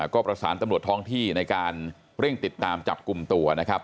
ก็ประสานตำรวจท้องที่ในการเร่งติดตามจับกลุ่มตัวนะครับ